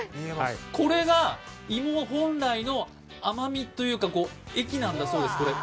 これが芋本来の甘みというか、液なんだそうです。